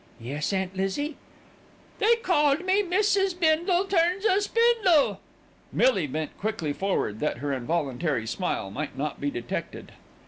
"Yes, Aunt Lizzie." "They called 'Mrs. Bindle turns a spindle.'" Millie bent quickly forward that her involuntary smile might not be detected.